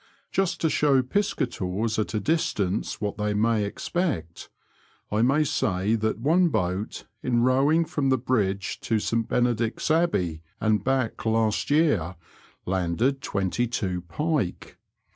Just to show piscators at a distance what they may expect, I may say that one boat, in rowing from the bridge to St Benedict's Abbey and back last year, landed twenty two pike.